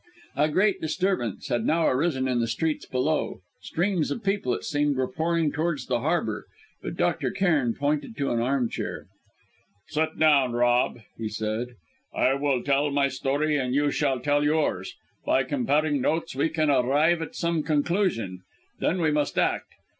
A great disturbance had now arisen in the streets below, streams of people it seemed, were pouring towards the harbour; but Dr. Cairn pointed to an armchair. "Sit down, Rob," he said. "I will tell my story, and you shall tell yours. By comparing notes, we can arrive at some conclusion. Then we must act.